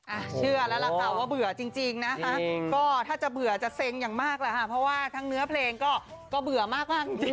อ่ะเชื่อแล้วล่ะครับว่าเหนื่อยจริงนะครับก็ถ้าจะเบื่อจะเซ็งอย่างมากหรืออ่ะเพราะว่าทั้งเนื้อเพลงก็ก็เบื่อมาก